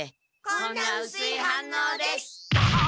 こんなうすいはんのうです。